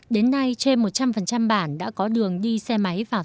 đến nay trên một trăm linh bản đã có đường đi xe máy vào